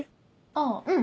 あぁうん。